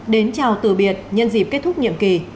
đến chào từ biệt nhân dịp kết thúc nhiệm kỳ